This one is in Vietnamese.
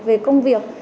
về công việc